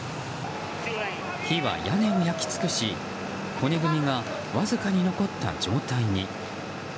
火は屋根を焼き尽くし骨組みがわずかに残った状態に。